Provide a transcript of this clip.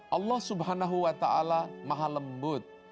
allah swt maha lembut